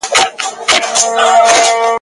لا یې نه وه وزرونه غوړولي ..